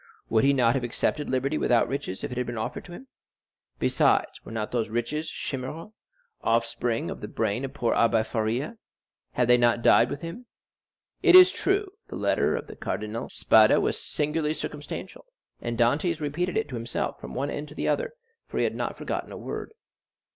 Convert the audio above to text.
Would he not have accepted liberty without riches if it had been offered to him? Besides, were not those riches chimerical?—offspring of the brain of the poor Abbé Faria, had they not died with him? It is true, the letter of the Cardinal Spada was singularly circumstantial, and Dantès repeated it to himself, from one end to the other, for he had not forgotten a word.